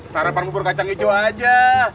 sarapan bubur kacang hijau aja